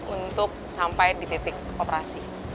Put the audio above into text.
untuk sampai di titik operasi